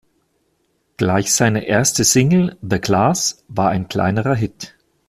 Gleich seine erste Single "The Class" war ein kleinerer Hit.